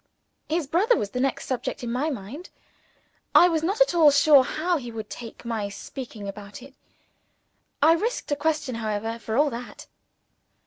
His brother was the next subject in my mind. I was not at all sure how he would take my speaking about it. I risked a question however, for all that.